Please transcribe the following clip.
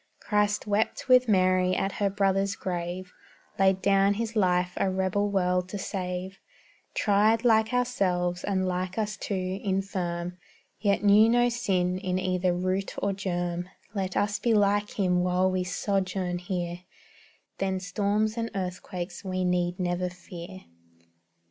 Christ wept with Mary at her brother's grave; Laid down His life a rebel world to save; Tried, like ourselves, and like us too, infirm, Yet knew no sin in either root or germ; Let us be like Him while we sojourn here, Then storms and earthquakes we need never fear.